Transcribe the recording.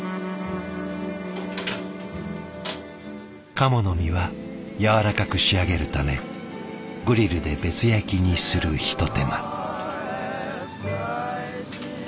鴨の身はやわらかく仕上げるためグリルで別焼きにするひと手間。